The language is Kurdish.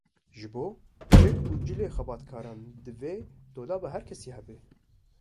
Ji bo çek û cilên xebatkaran divê dolaba her kesî hebe